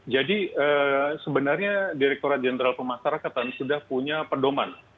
jadi sebenarnya direkturat jenderal pemasarakatan sudah punya pedoman